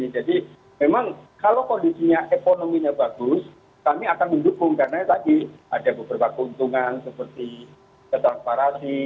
jadi memang kalau kondisinya ekonominya bagus kami akan mendukung karena tadi ada beberapa keuntungan seperti ketangparasi